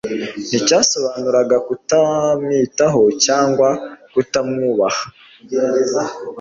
nticyasobanuraga kutamwitaho cyangwa kutamwubaha.